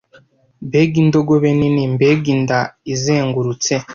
mbega indogobe nini mbega inda izengurutse